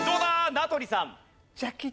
名取さん。